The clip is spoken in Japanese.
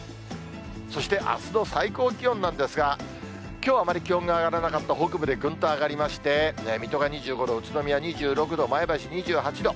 そしてあすの最高気温なんですが、きょうあまり気温が上がらなかった北部でぐんと上がりまして、水戸が２５度、宇都宮２６度、前橋が２８度。